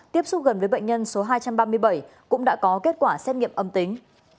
tiếp xúc gần với bệnh nhân số hai trăm ba mươi bảy cũng đã có kết quả xét nghiệm âm tính